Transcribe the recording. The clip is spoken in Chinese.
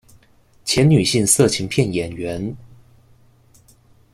前女性色情片演员。